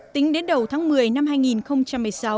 tính đến đầu tháng một mươi năm hai nghìn một mươi sáu